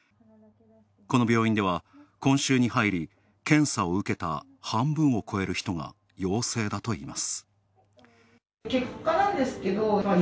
この病院では今週に入り、検査を受けた半分を超える人が陽性だといいます。